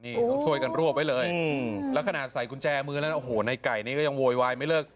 นี่ต้องช่วยกันรวบไว้เลยแล้วขนาดใส่กุญแจมือนั้นโอ้โหในไก่นี้ก็ยังโวยวายไม่เลิก